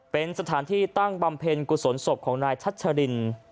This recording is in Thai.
เป็นสถานที่ตั้งบำเพ็ญกุศลศพของนายชัชริน